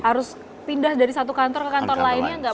harus pindah dari satu kantor ke kantor lainnya nggak